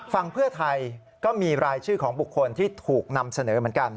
เพื่อไทยก็มีรายชื่อของบุคคลที่ถูกนำเสนอเหมือนกัน